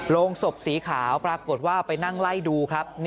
ลงศพสีขาวปรากฏว่าไปนั่งไล่ดู